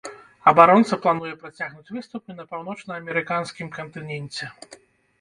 Абаронца плануе працягнуць выступы на паўночнаамерыканскім кантыненце.